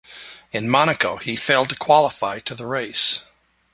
In Monaco he failed to qualify to the race.